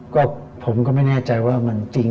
ก็ผมก็ไม่แน่ใจว่ามันจริง